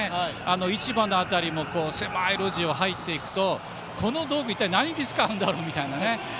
市場の辺りも狭い路地を入っていくとこの道具、一体何に使うんだろうみたいな。